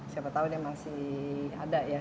siapa tahu dia masih ada ya